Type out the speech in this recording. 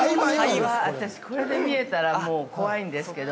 わー、私、これで見えたらもう、怖いんですけど。